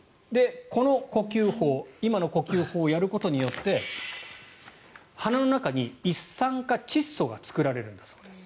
この呼吸法今の呼吸法をやることによって鼻の中に一酸化窒素が作られるんだそうです。